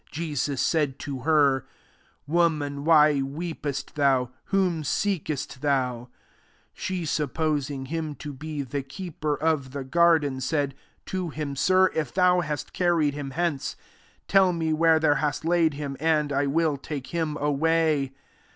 15 Jesus said to her, " Woman, why weepest thou ? whom seekest thou ?" She sup posing him to be the keeper of the garden, said to him, " Sir, if thou hast carried him hence, tell me where thou hast laid him, and I will take him away."